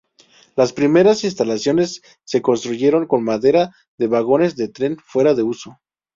Las primeras instalaciones se construyeron con maderas de vagones de trenes fuera de uso.